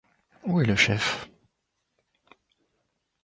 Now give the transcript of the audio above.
Où est le chef?